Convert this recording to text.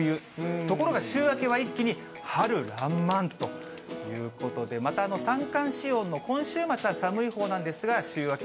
ところが週明けは一気に春らんまんということで、また三寒四温の今週末は寒いほうなんですが、週明け